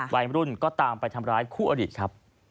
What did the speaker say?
วัยรุ่นก็ตามไปทำร้ายคู่อดีตครับ